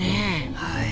はい。